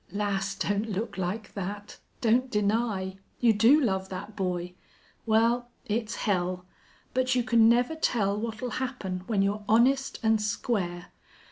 Lass, don't look like that! Don't deny. You do love that boy.... Well, it's hell. But you can never tell what'll happen when you're honest and square.